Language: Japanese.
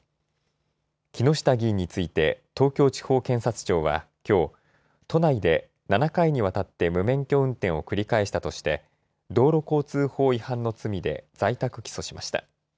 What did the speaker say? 木下議員について、東京地方検察庁はきょう、都内で７回にわたって無免許運転を繰り返したとして、道路交通法違反の罪で在宅起訴しました。